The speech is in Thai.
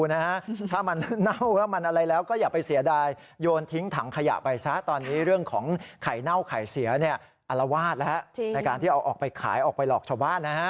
ในการที่จะเอาออกไปขายออกไปหลอกชาวบ้านนะฮะ